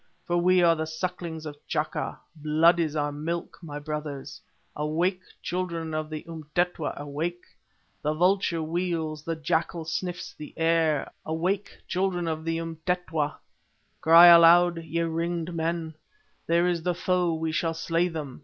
For we are the sucklings of Chaka, blood is our milk, my brothers. Awake, children of the Umtetwa, awake! The vulture wheels, the jackal sniffs the air; Awake, children of the Umtetwa—cry aloud, ye ringed men: There is the foe, we shall slay them.